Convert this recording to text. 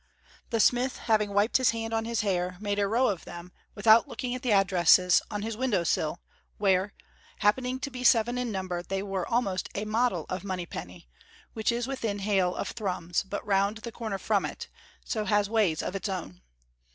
The smith having wiped his hand on his hair, made a row of them, without looking at the addresses, on his window sill, where, happening to be seven in number, they were almost a model of Monypenny, which is within hail of Thrums, but round the corner from it, and so has ways of its own.